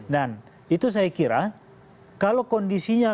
dan itu saya kira kalau kondisinya